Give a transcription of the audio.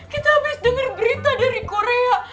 kita abis denger berita dari korea